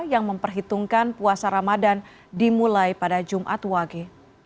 yang memperhitungkan puasa ramadan dimulai pada jumat wage